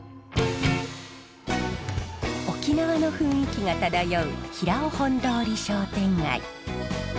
沖縄の雰囲気が漂う平尾本通商店街。